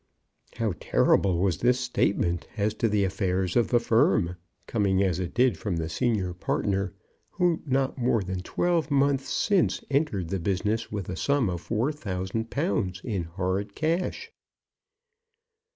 How terrible was this statement as to the affairs of the firm, coming, as it did, from the senior partner, who not more than twelve months since entered the business with a sum of four thousand pounds in hard cash!